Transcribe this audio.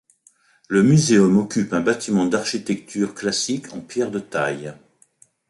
Le Muséum occupe un bâtiment d'architecture classique en pierres de taille.